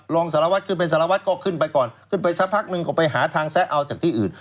รองสารวัตรขึ้นเป็นสารวัตรก็ขึ้นไปก่อนขึ้นไปสักพักนึงก็ไปหาทางแซะเอาจากที่อื่น